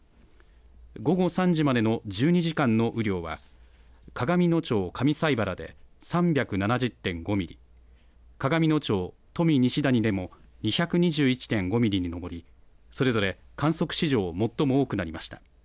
午後３時までの１２時間の雨量は鏡野町上齋原で３７０．５ミリ、鏡野町富西谷でも２２１．５ミリに上り、それぞれ観測史上最も多くなりました。